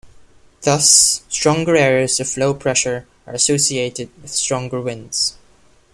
Thus, stronger areas of low pressure are associated with stronger winds.